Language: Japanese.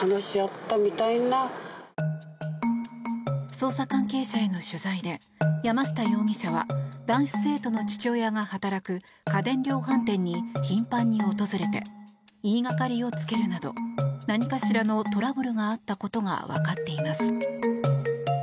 捜査関係者への取材で山下容疑者は男子生徒の父親が働く家電量販店に頻繁に訪れて言いがかりをつけるなど何かしらのトラブルがあったことがわかっています。